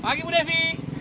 pagi bu devi